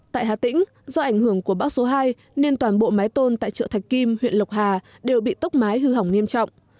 tại hà tĩnh do ảnh hưởng của bão số hai nên toàn bộ mái tôn tại chợ thạch kim huyện lộc hà đều bị tốc mái hư hỏng nghiêm trọng